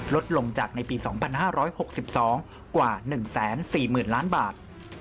ลดลงจากในปี๒๕๖๒กว่า๑๔๐๐๐ล้านบาท